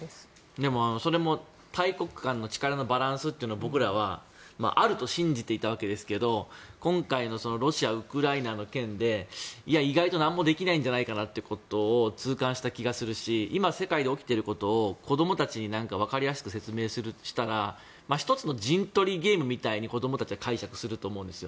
でもそれも大国間の力のバランスというのを僕らはあると信じていたわけですけど今回のロシア、ウクライナの件で意外と何もできないんじゃないかということを痛感した気がするし今、世界で起きていることを子どもたちにわかりやすく説明するとしたら１つの陣取りゲームみたいに子どもたちは解釈すると思うんですよ。